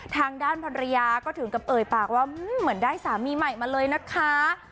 ทางด้านภรรยาก็ถึงกับเอ่ยปากว่าเหมือนได้สามีใหม่มาเลยนะคะ